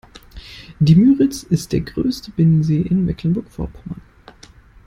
Die Müritz ist der größte Binnensee in Mecklenburg-Vorpommern.